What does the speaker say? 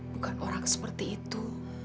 bukan orang seperti itu